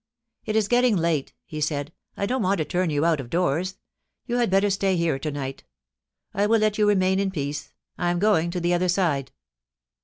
' It is getting late,' he said ;* I don't want to turn you out of doors. You had better stay here to night I will let you remain in peace. I am going to the other side.'